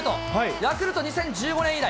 ヤクルト２０１５年以来。